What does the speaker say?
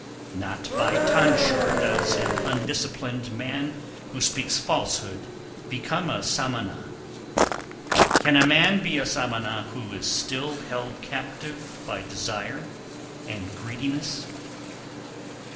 264. Not by tonsure does an undisciplined man who speaks falsehood become a Samana; can a man be a Samana who is still held captive by desire and greediness?